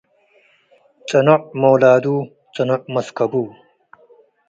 ጽኖዕ ሞላዱ ጽኖዕ መስከቡ።